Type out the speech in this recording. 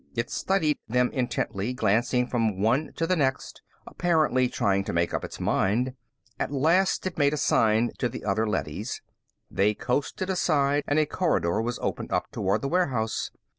It studied them intently, glancing from one to the next, apparently trying to make up its mind. At last it made a sign to the other leadys. They coasted aside and a corridor was opened up toward the warehouse.